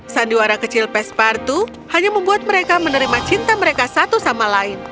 sandiwara kecil pespartu hanya membuat mereka menerima cinta mereka satu sama lain